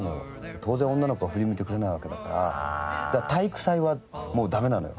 当然女の子は振り向いてくれないわけだから、だから体育祭はもうだめなのよ。